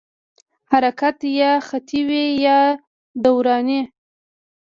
حرکت یا خطي وي یا دوراني.